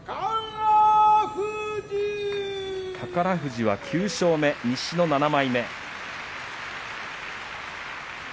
宝富士は９勝目、西の７枚目。